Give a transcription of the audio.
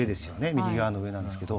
右側の上なんですけど。